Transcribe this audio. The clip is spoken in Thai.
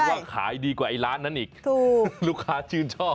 ว่าขายดีกว่าไอ้ร้านนั้นอีกถูกลูกค้าชื่นชอบ